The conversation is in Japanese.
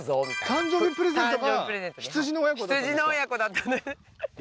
誕生日プレゼントが羊の親子だったんですか？